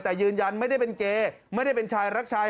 แต่ยืนยันไม่ได้เป็นเกย์ไม่ได้เป็นชายรักชาย